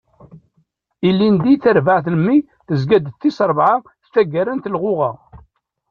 Ilindi, tarbaɛt n mmi tezga-d d tis rebɛa taggara n telɣuɣa.